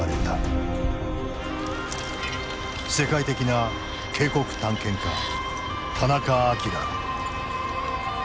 世界的な渓谷探検家田中彰。